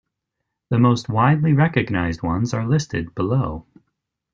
The most widely recognized ones are listed below.